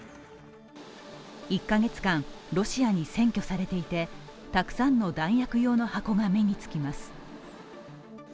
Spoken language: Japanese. １カ月間、ロシアに占拠されていて、たくさんの弾薬用の箱が目につきます。